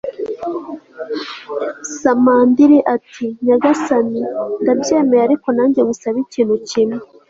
samandiri ati nyagasani, ndabyemeye ariko nanjye ngusabe ikintu kimwe